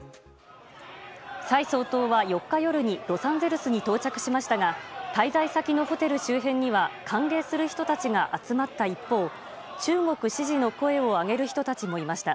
蔡総統は４日夜にロサンゼルスに到着しましたが滞在先のホテル周辺には歓迎する人たちが集まった一方中国支持の声を上げる人たちもいました。